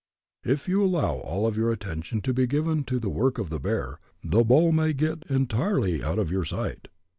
If you allow all of your attention to be given to the work of the bear, the bull may get entirely out of your sight.